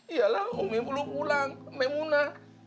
iya lah umi belum pulang memuna